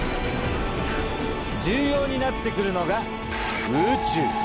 重要になってくるのが宇宙。